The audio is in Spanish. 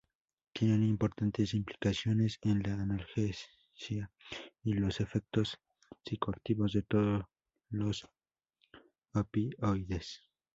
Tiene importantes implicaciones en la analgesia y los efectos psicoactivos de todos los opioides.